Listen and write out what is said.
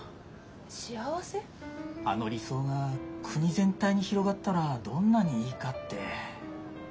あの理想が国全体に広がったらどんなにいいかって。